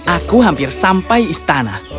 aku hampir sampai istana